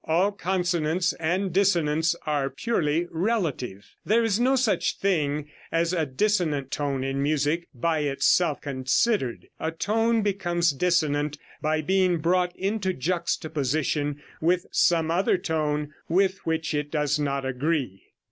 All consonance and dissonance are purely relative. There is no such thing as a dissonant tone in music, by itself considered; a tone becomes dissonant by being brought into juxtaposition with some other tone with which it does not agree.